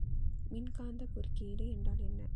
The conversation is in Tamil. மின்காந்தக் குறுக்கீடு என்றால் என்ன?